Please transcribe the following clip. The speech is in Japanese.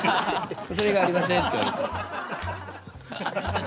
それ以外ありません」って言われて。